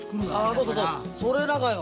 そうそうそうそれながよ。